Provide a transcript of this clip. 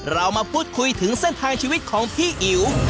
เรามาพูดคุยถึงเส้นทางชีวิตของพี่อิ๋ว